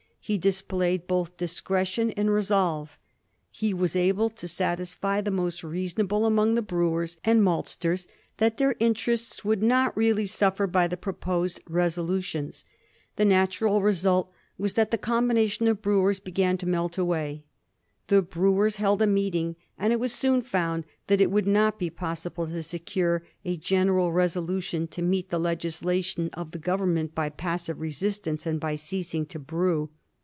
He displayed both discretion and resolve. He was able to satisfy the most reasonable among the brewers and maltsters that their interests would not really suflfer by the proposed resolutions. The natural result was that the combination of brewers began to melt away. The brewers held a meeting, and it was soon found that it would not be possible to secure a general reso lution to meet the legislation jof the Government by passive resistance and by ceasing to brew.